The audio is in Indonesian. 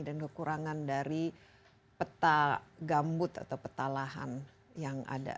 dan kekurangan dari peta gambut atau peta lahan yang ada